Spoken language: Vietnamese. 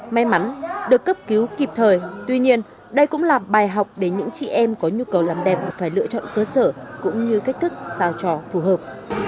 may mắn được cấp cứu kịp thời tuy nhiên đây cũng là bài học để những chị em có nhu cầu làm đẹp phải lựa chọn cơ sở cũng như cách thức sao cho phù hợp